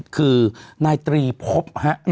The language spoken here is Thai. คือนายตรีพบฮะ